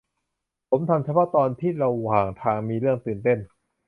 ผมทำเฉพาะตอนที่ระหว่างทางมีเรื่องตื่นเต้น